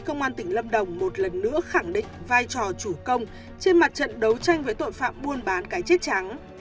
công an tỉnh lâm đồng một lần nữa khẳng định vai trò chủ công trên mặt trận đấu tranh với tội phạm buôn bán cái chết trắng